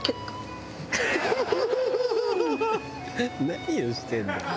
「何をしてんだよ」